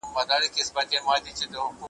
د تورو شپو په لړمانه کي به ډېوې بلېدې `